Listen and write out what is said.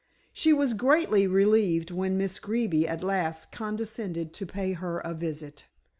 She was greatly relieved when Miss Greeby at last condescended to pay her a visit.